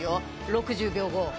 ６０秒後。